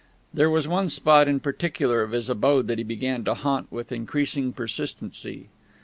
There was one spot in particular of his abode that he began to haunt with increasing persistency.